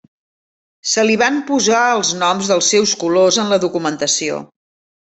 Se li van posar els noms dels seus colors en la documentació.